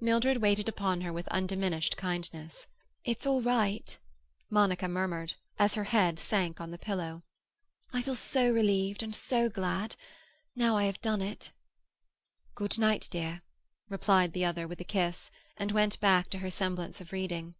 Mildred waited upon her with undiminished kindness. "It's all right," Monica murmured, as her head sank on the pillow. "I feel so relieved and so glad—so happy—now I have done it." "Good night, dear," replied the other, with a kiss, and went back to her semblance of reading.